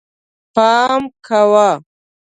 پام کوه